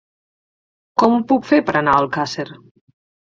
Com ho puc fer per anar a Alcàsser?